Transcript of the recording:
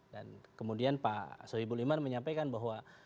dan kemudian pak soeibul iman menyampaikan bahwa